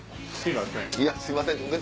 すいません。